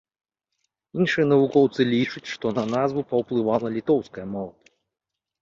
Іншыя навукоўцы лічаць, што на назву паўплывала літоўская мова.